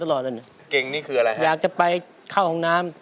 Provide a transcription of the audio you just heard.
เพลงที่เจ็ดเพลงที่แปดแล้วมันจะบีบหัวใจมากกว่านี้